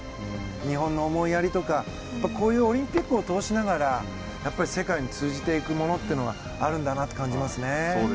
日本の思いやりとかこういうオリンピックを通しながら世界に通じていくものっていうのがあるんだなって感じますね。